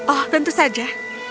oh tentu saja